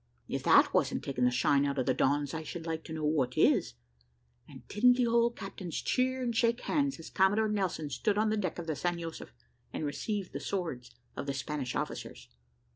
If that wasn't taking the shine out of the Dons, I should like to know what is. And didn't the old captains cheer and shake hands, as Commodore Nelson stood on the deck of the San Josef, and received the swords of the Spanish officers!